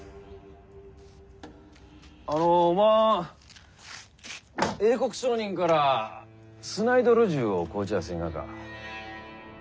あのおまん英国商人からスナイドル銃を買うちゃせんがか？